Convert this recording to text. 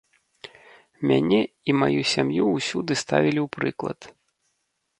Мяне і маю сям'ю ўсюды ставілі ў прыклад.